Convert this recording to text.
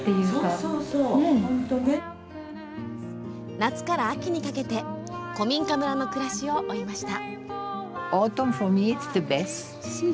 夏から秋にかけて古民家村の暮らしを追いました。